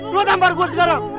lo nampar gue sekarang